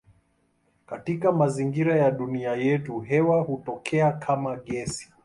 Katika mazingira ya dunia yetu hewa hutokea kama gesi.